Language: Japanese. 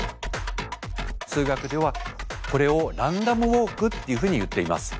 数学ではこれをランダムウォークっていうふうにいっています。